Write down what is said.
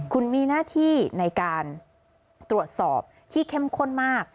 คุณมีหน้าที่ในการตรวจสอบที่เข้มข้นมาก